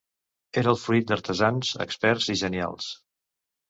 Era el fruit d'artesans experts i genials.